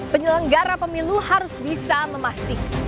penyelenggara pemilu harus bisa memastikan